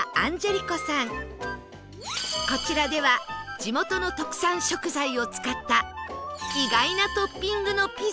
こちらでは地元の特産食材を使った意外なトッピングのピザが待っていました